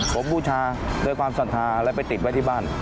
ผมวูชาเพื่อความสันธาแล้วไปติดไว้ที่บ้าน